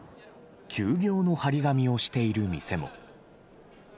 休業の貼り紙をしている店も。